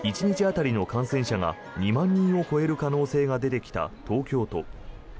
１日当たりの感染者が２万人を超える可能性が出てきた東京都。